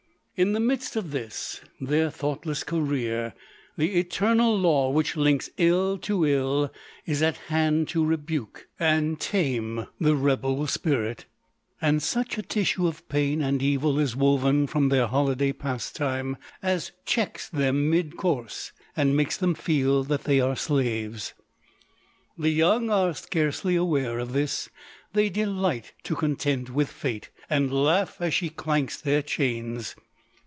In the midst of this, their thoughtless career, the eternal law which links ill to ill, is at hand to rebuke and tame the rebel spirit ; and such a tissue of pain and evil is woven from their holiday pastime, as checks them midcourse, and makes them feel that they are slaves. The young are scarcely aware of this ; they delight to contend with Fate, and laugh as she clanks their chains.